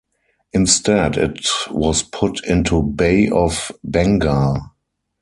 Instead it was put into Bay of Bengal.